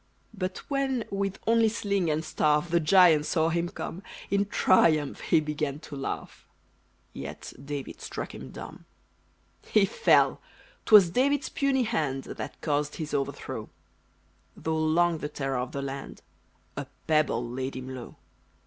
But when, with only sling and staff, The giant saw him come, In triumph he began to laugh; Yet David struck him dumb. He fell! 'twas David's puny hand That caused his overthrow! Though long the terror of the land, A pebble laid him low.